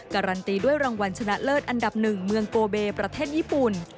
การันตีด้วยรางวัลชนะเลิศอันดับ๑เมืองโกเบประเทศญี่ปุ่น